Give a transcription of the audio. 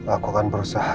aku akan berusaha